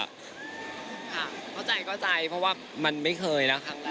ค่ะเข้าใจเพราะว่ามันไม่เคยนะ